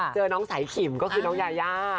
เจอน้องสายขิมก็คือน้องยายา